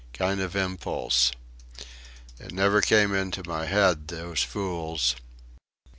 Kind of impulse. It never came into my head, those fools....